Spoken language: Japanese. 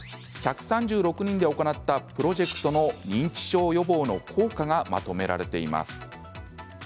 １３６人で行ったプロジェクトの認知症予防の効果がまとめられています。